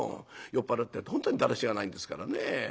酔っ払ってると本当にだらしがないんですからね。